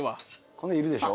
この絵いるでしょ？